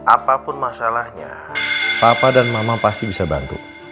apapun masalahnya papa dan mama pasti bisa bantu